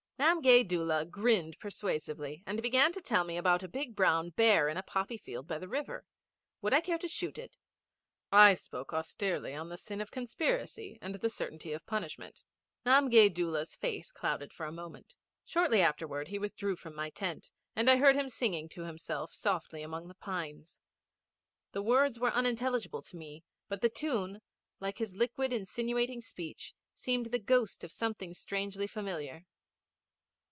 Namgay Doola grinned persuasively, and began to tell me about a big brown bear in a poppy field by the river. Would I care to shoot it? I spoke austerely on the sin of conspiracy, and the certainty of punishment. Namgay Doola's face clouded for a moment. Shortly afterwards he withdrew from my tent, and I heard him singing to himself softly among the pines. The words were unintelligible to me, but the tune, like his liquid insinuating speech, seemed the ghost of something strangely familiar.